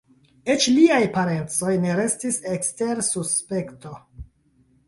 Eĉ liaj parencoj ne restis ekster suspekto.